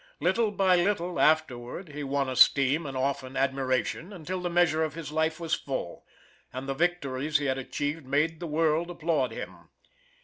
Little by little, afterward, he won esteem, and often admiration, until the measure of his life was full, and the victories he had achieved made the world applaud him.